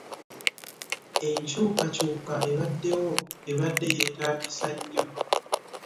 Enkyukakyuka ebaddewo ebadde yeetaagisa nnyo.